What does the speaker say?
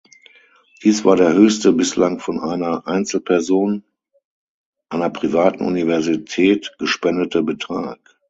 Dies war der höchste bislang von einer Einzelperson einer privaten Universität gespendete Betrag.